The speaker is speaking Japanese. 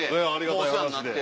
お世話になって。